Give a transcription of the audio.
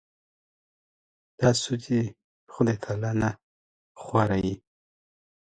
نه دې دي اورېدلي.